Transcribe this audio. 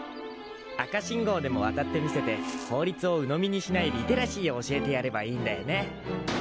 赤信号でも渡ってみせて法律をうのみにしないリテラシーを教えてやればいいんだよね。